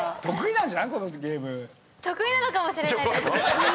得意なんじゃない？